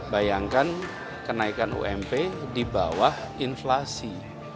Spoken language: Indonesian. bayangkan kenaikan ump di bawah inflasi